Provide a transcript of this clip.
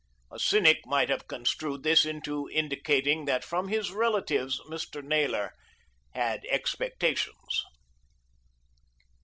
A cynic might have construed this into indicating that from his relatives Mr. Naylor had expectations.